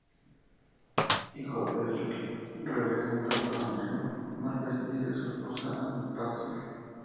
Hijo del reverendo Andrew Marvell y de su esposa, Anne Pease.